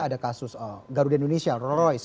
ada kasus garuda indonesia roll royce